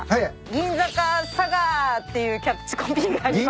っていうキャッチコピーがあります。